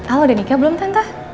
al udah nikah belum tante